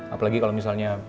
apalagi kalau misalnya